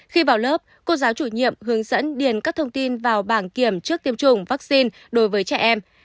khi vào lớp cô giáo chủ nhiệm hướng dẫn điền các thông tin vào bảng kiểm trước tiêm chủng vaccine đối với trẻ em